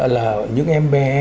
là những em bé